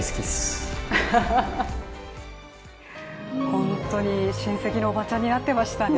本当に親戚のおばちゃんになってましたね。